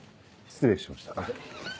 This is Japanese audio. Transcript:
失礼しました。